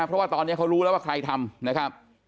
เพราะว่าตอนนี้เขารู้แล้วว่าใครทำนะครับ